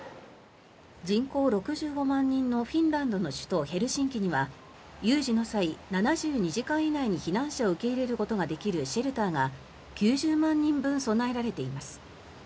人口６５万人のフィンランドの首都ヘルシンキには有事の際、７２時間以内に避難者を受け入れることができるシェルターが９０万人分備えられています。